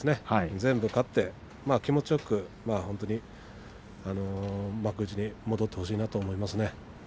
全部勝って気持ちよく幕内に戻ってほしいなと思いますね。